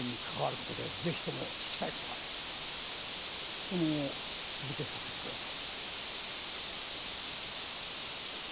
質問を続けさせてください。